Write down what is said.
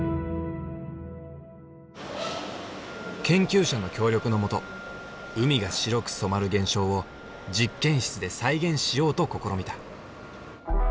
研究者の協力の下海が白く染まる現象を実験室で再現しようと試みた。